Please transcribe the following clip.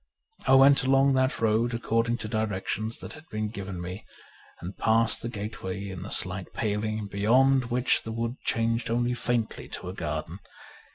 I went along that road according to directions that had been given me, and passed the gateway in a slight paling, beyond v/hich the wood changed only faintly to a garden.